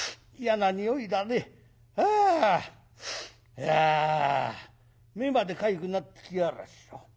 いや目までかゆくなってきやがら畜生。